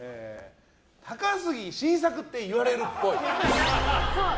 高杉晋作って言われるっぽい。